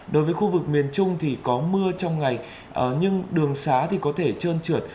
đối với khu vực miền trung thì có mưa trong ngày nhưng đường xá thì có thể trơn trượt